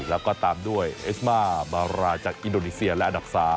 แล้วก็ตามด้วยเอสมามาราจากอินโดนีเซียและอันดับ๓